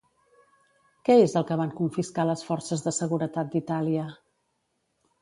Què és el que van confiscar les forces de seguretat d'Itàlia?